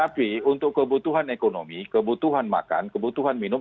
tapi untuk kebutuhan ekonomi kebutuhan makan kebutuhan minum